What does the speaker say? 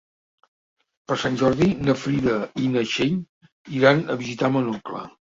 Per Sant Jordi na Frida i na Txell iran a visitar mon oncle.